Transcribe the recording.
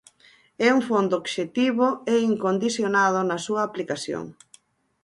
É un fondo obxectivo e incondicionado na súa aplicación.